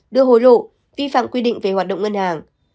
đưa hối lộ vi phạm quy định về hoạt động ngân hàng